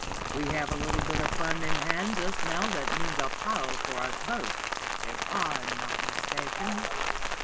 We have a little bit of fun in hand just now that means a pile for us both, if I'm not mistaken."